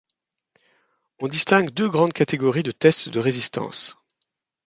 On distingue deux grandes catégories de tests de résistance.